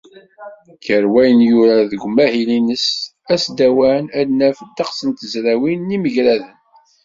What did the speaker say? Gar wayen yura deg umahil-ines asdawan, ad naf ddeqs n tezrawin d yimagraden.